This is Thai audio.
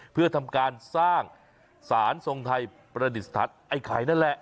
เพื่อทำการสร้างสารทรงไทยประดิษฐานไอ้ไข่นั่นแหละ